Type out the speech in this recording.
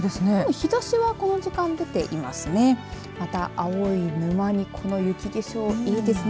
日ざしはこの時間出ていますね。